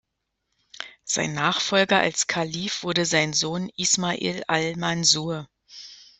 Sein Nachfolger als Kalif wurde sein Sohn Ismail al-Mansur.